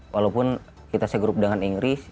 walaupun kita se grup dengan inggris